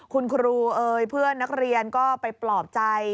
คุณครูเอ่ยเพื่อนนักเรียนก็ไปปลอบใจ